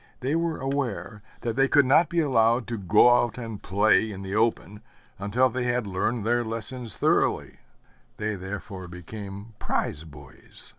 They were aware that they could not be allowed to go out and play in the open until they had learned their lessons thoroughly; they therefore became prize boys.